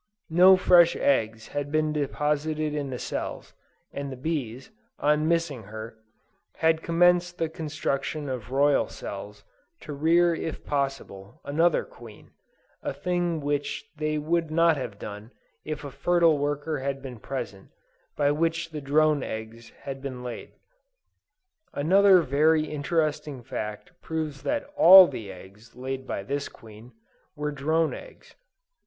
No fresh eggs had been deposited in the cells, and the bees, on missing her, had commenced the construction of royal cells, to rear if possible, another Queen, a thing which they would not have done, if a fertile worker had been present, by which the drone eggs had been laid. Another very interesting fact proves that all the eggs laid by this Queen, were drone eggs.